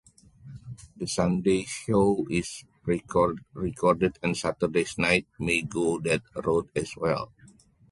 The Sunday show is pre-recorded and Saturday nights may go that route as well.